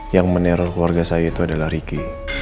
yang menerol keluarga saya itu adalah ricky